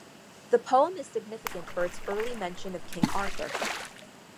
The poem is significant for its early mention of King Arthur.